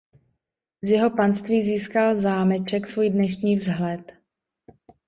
Za jeho panství získal zámeček svůj dnešní vzhled.